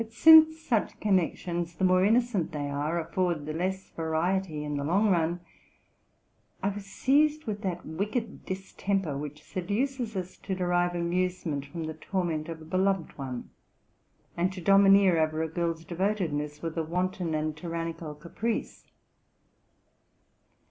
But since such connections, the more innocent they are, afford the less variety in the long run, I was seized with that wicked distemper which seduces us to derive amusement from the torment of a beloved one, and to domineer over a girl's de votedness with wanton and tyrannical caprice.